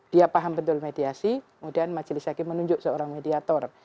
dia paham betul mediasi kemudian majelis hakim menunjuk seorang mediator